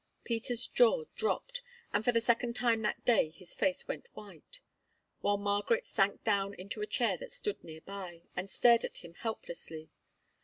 Peter's jaw dropped, and for the second time that day his face went white; while Margaret sank down into a chair that stood near by, and stared at him helplessly.